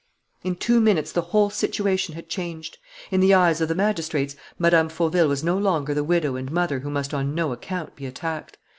In two minutes the whole situation had changed. In the eyes of the magistrates, Mme. Fauville was no longer the widow and mother who must on no account be attacked.